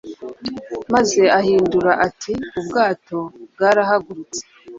maze ahindura ati Ubwato bwarahagurutse